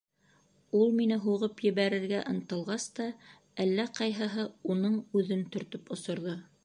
Ул мине һуғып ебәрергә ынтылғас та, әллә ҡайһыһы уның үҙен төртөп осорҙо.